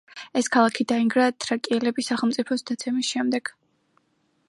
ეს ქალაქი დაინგრა თრაკიელების სახელმწიფოს დაცემის შემდეგ.